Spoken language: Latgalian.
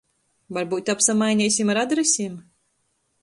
Varbyut apsamaineisim ar adresim?